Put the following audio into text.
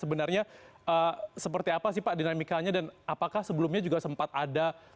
sebenarnya seperti apa sih pak dinamikanya dan apakah sebelumnya juga sempat ada